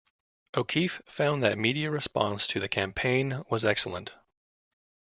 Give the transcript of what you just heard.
O'Keefe found that media response to the campaign was excellent.